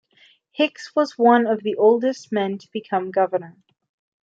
Hicks was one of the oldest men to become governor.